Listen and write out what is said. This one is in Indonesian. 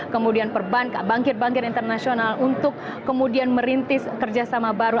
kemudian bankir bankir internasional untuk kemudian merintis kerjasama baru